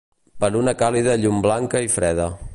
Per una càlida llum blanca i freda.